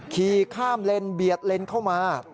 ขี่ข้ามเลนเบียดเลนเข้ามา